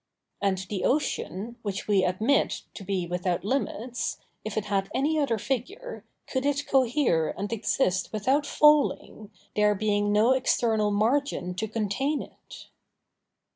And the ocean, which we admit to be without limits, if it had any other figure, could it cohere and exist without falling, there being no external margin to contain it?